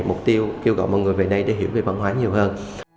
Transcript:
mục tiêu kêu gọi mọi người về đây để hiểu về văn hóa nhiều hơn